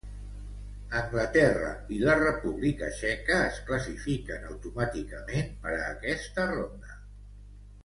Espanya, Anglaterra i la República Txeca es classifiquen automàticament per a aquesta ronda.